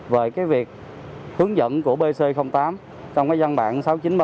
về việc hướng dẫn của bc tám trong dân bạn sáu nghìn chín trăm ba mươi